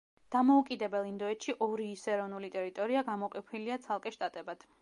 დამოუკიდებელ ინდოეთში ორიის ეროვნული ტერიტორია გამოყოფილია ცალკე შტატად.